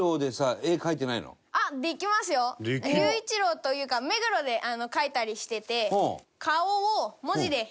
「龍一郎」というか「目黒」で描いたりしてて。